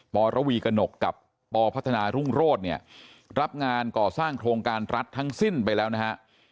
ประวีกระหนกกับปพัฒนารุ่งโรธเนี่ยรับงานก่อสร้างโครงการรัฐทั้งสิ้นไปแล้วนะฮะ